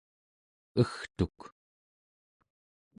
egtuk